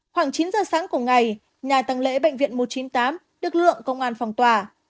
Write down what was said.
khoảng chín h sáng của ngày nhà tầng lễ bệnh viện một trăm chín mươi tám được lượng công an phòng tòa